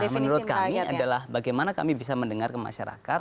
menurut kami adalah bagaimana kami bisa mendengar ke masyarakat